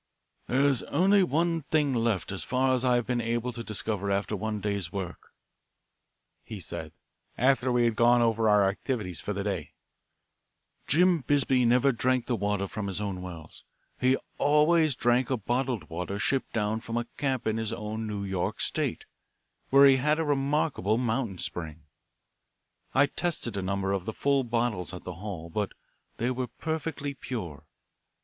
"There is only one thing left as far as I have been able to discover after one day's work," he said, after we had gone over our activities for the day. "Jim Bisbee never drank the water from his own wells. He always drank a bottled water shipped down from a camp of his in New York State, where he had a remarkable mountain spring. I tested a number of the full bottles at the hall, but they were perfectly pure.